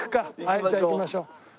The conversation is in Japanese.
はいじゃあ行きましょう。